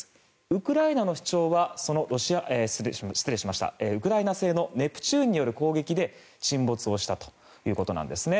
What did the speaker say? ウクライナの主張はウクライナ製のネプチューンによる攻撃で沈没をしたということなんですね。